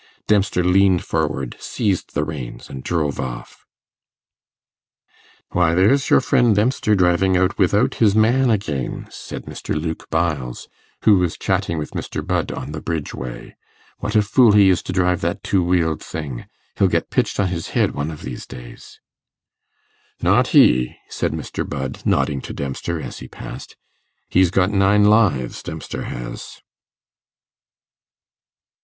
Dempster leaned forward, seized the reins, and drove off. 'Why, there's your friend Dempster driving out without his man again,' said Mr. Luke Byles, who was chatting with Mr. Budd in the Bridge Way. 'What a fool he is to drive that two wheeled thing! he'll get pitched on his head one of these days.' 'Not he,' said Mr. Budd, nodding to Dempster as he passed; 'he's got nine lives, Dempster has.